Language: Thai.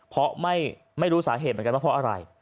เพราะไม่รู้สาเหตุเหมือนกันว่าเพราะอะไร